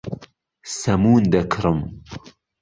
سەمون دەکڕم.